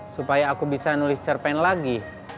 supaya aku bisa nulis cerpen lagi